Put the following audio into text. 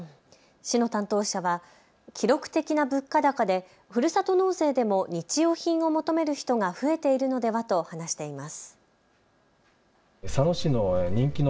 市の担当者は記録的な物価高でふるさと納税でも日用品を求める人が増えているのではと話しています。